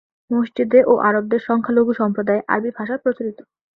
মসজিদে ও আরবদের সংখ্যালঘু সম্প্রদায়ে আরবি ভাষা প্রচলিত।